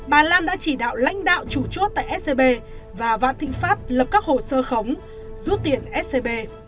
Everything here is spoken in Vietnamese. bà lan đã chỉ đạo lãnh đạo chủ chốt tại scb và vạn thịnh pháp lập các hồ sơ khống rút tiền scb